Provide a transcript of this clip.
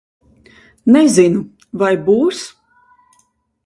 Nezinu. Vai būs?